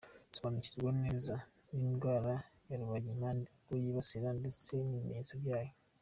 Sobanukirwa neza n’indwara ya Rubagimpande, abo yibasira ndetse n’ibimenyetso byayo.